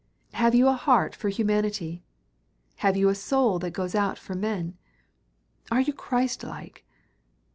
Have you a heart for humanity? Have you a soul that goes out for men? Are you Christ like?